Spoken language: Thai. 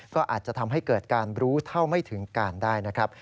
ก็อาจจะทำให้เกิดการรู้เท่าไม่ถึงการได้นะครับ